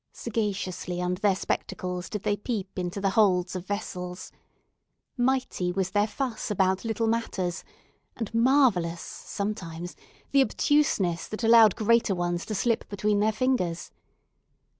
Sagaciously under their spectacles, did they peep into the holds of vessels. Mighty was their fuss about little matters, and marvellous, sometimes, the obtuseness that allowed greater ones to slip between their fingers!